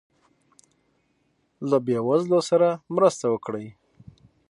له یی وزلو سره مرسته وکړي